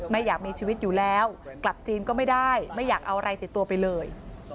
ไม่อยากมีชีวิตอยู่แล้วกลับจีนก็ไม่ได้ไม่อยากเอาอะไรติดตัวไปเลย